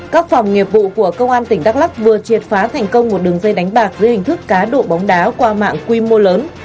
các phòng nghiệp vụ của công an tỉnh đắk lắc vừa triệt phá thành công một đường dây đánh bạc dưới hình thức cá độ bóng đá qua mạng quy mô lớn